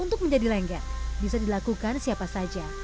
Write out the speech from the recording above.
untuk menjadi lengger bisa dilakukan siapa saja